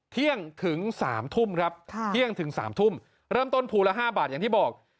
เที่ยงถึง๓ทุ่มครับเที่ยงถึง๓ทุ่มเริ่มต้นภูละ๕บาทอย่างที่บอก